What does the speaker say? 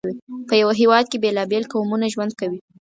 په یو هېواد کې بېلابېل قومونه ژوند کوي.